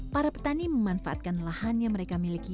para petani memanfaatkan lahan yang mereka miliki